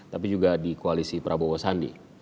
tapi juga di koalisi prabowo sandi